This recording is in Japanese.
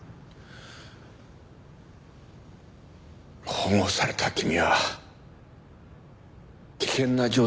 保護された君は危険な状態だった。